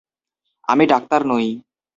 আমি ডাক্তার নই।